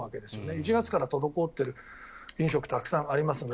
１月から滞っている飲食がたくさんありますので。